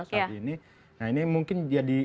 saat ini nah ini mungkin jadi